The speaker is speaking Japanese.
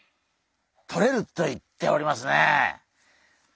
とれると言っておりますね。